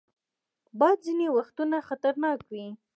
باد ځینې وختونه خطرناک وي